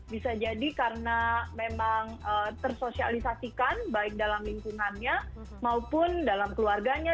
bisa jadi karena memang tersosialisasikan baik dalam lingkungannya maupun dalam keluarganya